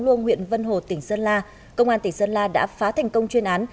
luông huyện vân hồ tỉnh sơn la công an tỉnh sơn la đã phá thành công chuyên án